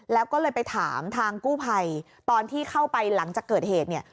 แล้วก็เลยไปถามทางกู้ภัยตอนที่เข้าไปหลังจากเกิดเหตุเนี่ย